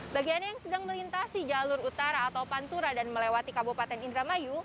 bagi anda yang sedang melintasi jalur utara atau pantura dan melewati kabupaten indramayu